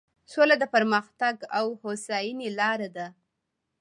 سوله د پرمختګ او هوساینې لاره ده.